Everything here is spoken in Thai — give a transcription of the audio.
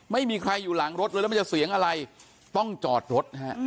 ไม่มีใครอยู่หลังรถเลยแล้วมันจะเสียงอะไรต้องจอดรถนะฮะ